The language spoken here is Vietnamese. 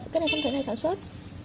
cái này không thể ngày sản xuất